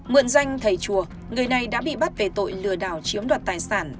mượn danh thầy chùa người này đã bị bắt về tội lừa đảo chiếm đoạt tài sản